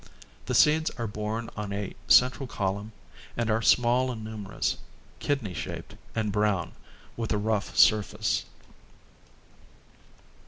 The seeds are borne on a central column and are small and numerous, kidney shaped and brown, with a rough surface.